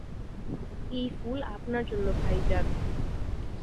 এই ফুল আপনার জন্য ভাইজান।